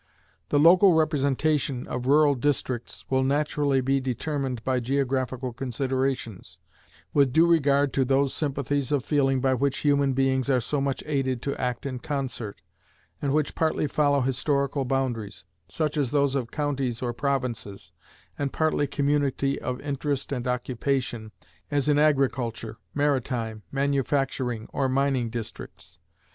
The local representation of rural districts will naturally be determined by geographical considerations, with due regard to those sympathies of feeling by which human beings are so much aided to act in concert, and which partly follow historical boundaries, such as those of counties or provinces, and partly community of interest and occupation, as in agriculture, maritime, manufacturing, or mining districts.